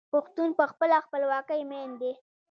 پښتون په خپله خپلواکۍ مین دی.